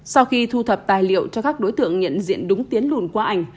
sau khi thu thập tài liệu cho các đối tượng nhận diện đúng tiến lùn qua ảnh